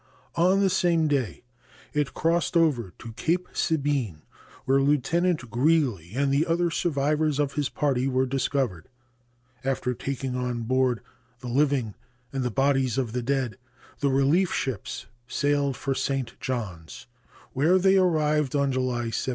On the same day it crossed over to Cape Sabine, where Lieutenant Greely and the other survivors of his party were discovered. After taking on board the living and the bodies of the dead, the relief ships sailed for St. Johns, where they arrived on July 17.